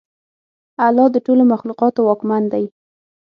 الله د ټولو مخلوقاتو واکمن دی.